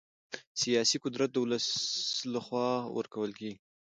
سیاسي قدرت د ولس له خوا ورکول کېږي